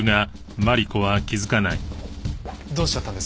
どうしちゃったんです？